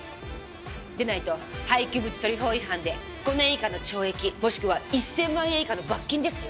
でないと廃棄物処理法違反で５年以下の懲役もしくは１０００万円以下の罰金ですよ。